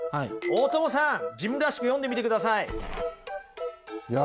大友さん自分らしく読んでみてください。